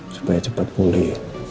supaya cepat pulih